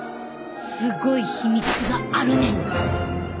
すごい秘密があるねん！